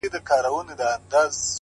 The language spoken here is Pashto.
له شپږو مياشتو څه درد ،درد يمه زه.